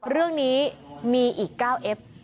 เรื่องนี้มีอีก๙เอ็บ